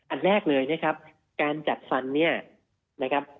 อันแรกเลยนะครับการจัดฟันเนี่ยนะครับ